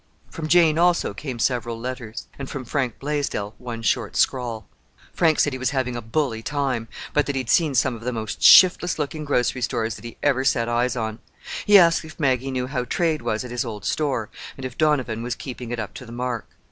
From Jane, also, came several letters, and from Frank Blaisdell one short scrawl. Frank said he was having a bully time, but that he'd seen some of the most shiftless looking grocery stores that he ever set eyes on. He asked if Maggie knew how trade was at his old store, and if Donovan was keeping it up to the mark.